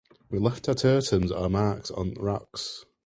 We left our totems or marks on the rocks.